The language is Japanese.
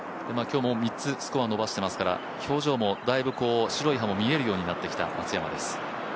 今日も３つスコアを伸ばしてきましたから、だいぶ白い歯も見えるようになってきた松山です。